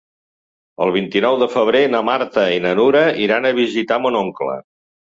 El vint-i-nou de febrer na Marta i na Nura iran a visitar mon oncle.